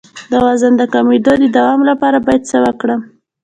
د وزن د کمیدو د دوام لپاره باید څه وکړم؟